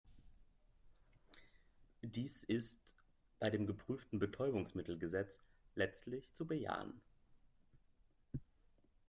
Dies ist bei dem geprüften Betäubungsmittelgesetz letztlich zu bejahen.